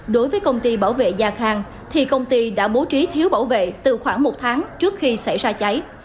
đối với công ty bảo vệ gia khang thì công ty đã bố trí thiếu bảo vệ từ khoảng một tháng trước khi xảy ra cháy